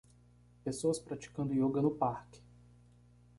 Pessoas praticando ioga no parque.